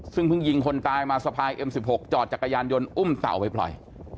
ซึ่งเพิ่งยิงคนตายมาสะพายเอ็มสิบหกจอดจักรยานยนต์อุ้มเต่าไปปล่อย